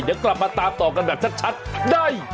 เดี๋ยวกลับมาตามต่อกันแบบชัดได้